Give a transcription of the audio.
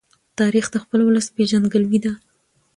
تاریخ د خپل ولس پېژندګلوۍ ده.